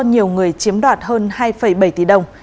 nhiều người chiếm đoạt hơn hai bảy tỷ đồng